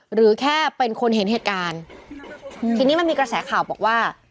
หรือแค่เป็นคนเห็นเหตุการณ์ทีนี้มันมีกระแสข่าวบอกว่า